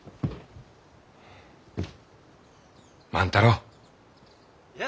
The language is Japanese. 万太郎。